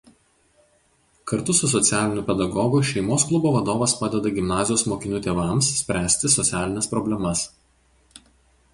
Kartu su socialiniu pedagogu Šeimos klubo vadovas padeda gimnazijos mokinių tėvams spręsti socialines problemas.